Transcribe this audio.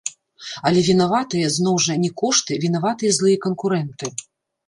Але вінаватыя, зноў жа, не кошты, вінаваты злыя канкурэнты.